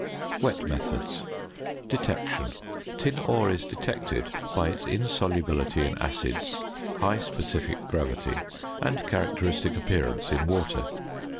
WET METHODS. ~Detection.~ Tin ore is detected by its insolubility in acids, high specific gravity, and characteristic appearance in water.